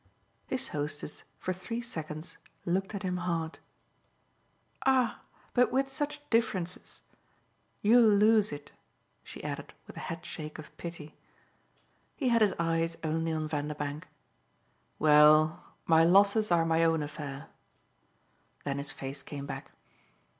His hostess, for three seconds, looked at him hard. "Ah but with such differences! You'll lose it," she added with a headshake of pity. He had his eyes only on Vanderbank. "Well, my losses are my own affair." Then his face came back.